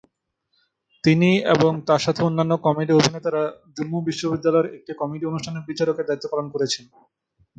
তিনি এবং তার সাথে অন্যান্য কমেডি অভিনেতারা জম্মু বিশ্ববিদ্যালয়ের একটি কমেডি অনুষ্ঠানে বিচারকের দায়িত্ব পালন করেছেন।